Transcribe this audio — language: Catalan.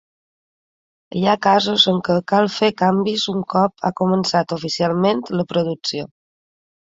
Hi ha casos en què cal fer canvis un cop ha començat oficialment la producció.